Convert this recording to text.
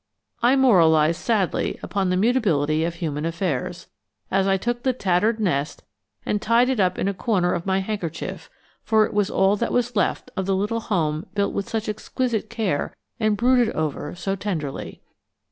I moralized sadly upon the mutability of human affairs as I took the tattered nest and tied it up in a corner of my handkerchief; for it was all that was left of the little home built with such exquisite care and brooded over so tenderly.